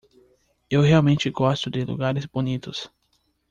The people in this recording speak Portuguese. eu realmente gosto de lugares bonitos